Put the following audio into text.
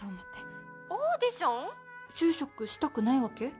就職したくないわけ？